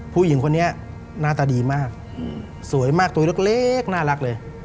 ผู้หญิงคนนี้หน้าตาดีมากสวยมากตัวเล็กน่ารักเลย